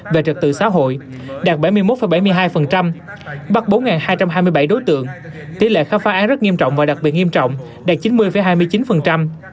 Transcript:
về trật tự xã hội đạt bảy mươi một bảy mươi hai bắt bốn hai trăm hai mươi bảy đối tượng tỷ lệ khám phá án rất nghiêm trọng và đặc biệt nghiêm trọng đạt chín mươi hai mươi chín